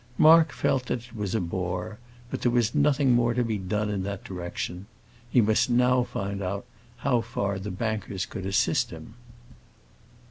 Mark felt that it was a bore, but there was nothing more to be done in that direction. He must now find out how far the bankers could assist him.